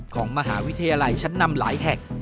ของมหาวิทยาลัยชั้นนำหลายแห่ง